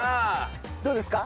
どうですか？